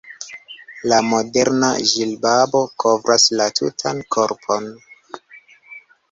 La moderna ĝilbabo kovras la tutan korpon.